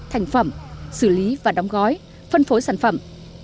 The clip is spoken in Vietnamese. thành phẩm xử lý và đóng gói phân phối sản phẩm